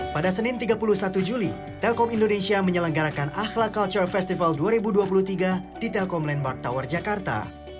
pada senin tiga puluh satu juli telkom indonesia menyelenggarakan ahlak culture festival dua ribu dua puluh tiga di telkom landmark tower jakarta